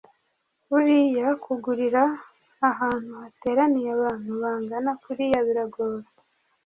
buriya kugurira ahantu hateraniye abantu bangana kuriya biragora